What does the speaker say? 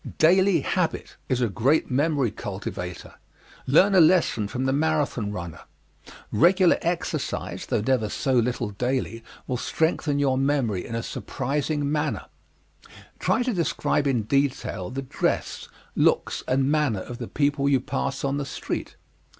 Daily habit is a great memory cultivator. Learn a lesson from the Marathon runner. Regular exercise, though never so little daily, will strengthen your memory in a surprising measure. Try to describe in detail the dress, looks and manner of the people you pass on the street.